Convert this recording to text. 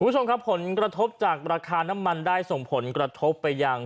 คุณผู้ชมครับผลกระทบจากราคาน้ำมันได้ส่งผลกระทบไปยัง